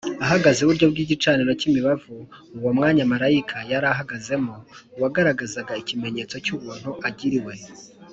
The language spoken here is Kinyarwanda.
‘‘ahagaze iburyo bw’igicaniro cy’imibavu,’’ uwo mwanya marayika yari ahagazemo wagaragazaga ikimenyetso cy’ubuntu agiriwe